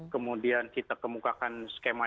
kemudian kita kemukakan skema yang kecil